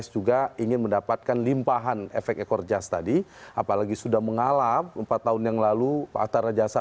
jam sebelas berganti